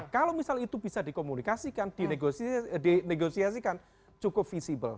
kalau misal itu bisa dikomunikasikan dinegosiasikan cukup visible